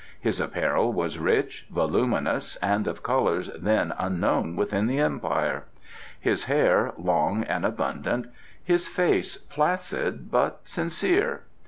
His apparel was rich, voluminous and of colours then unknown within the Empire; his hair long and abundant; his face placid but sincere.